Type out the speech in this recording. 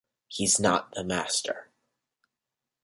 He’s not the master.